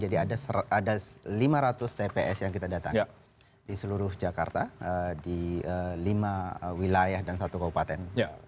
jadi ada lima ratus tps yang kita datangkan di seluruh jakarta di lima wilayah dan satu kabupaten